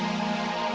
senang juga sih kamu